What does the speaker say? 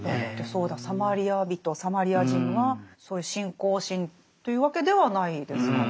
サマリア人サマリア人はそういう信仰心というわけではないですからね。